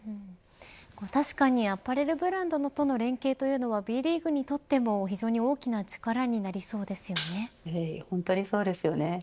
確かにアパレルブランドとの連携というのはＢリーグにとっても非常に大きな力に本当にそうですよね。